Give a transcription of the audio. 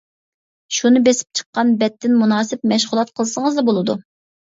شۇنى بېسىپ، چىققان بەتتىن مۇناسىپ مەشغۇلات قىلسىڭىزلا بولىدۇ.